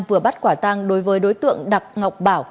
vừa bắt quả tăng đối với đối tượng đặng ngọc bảo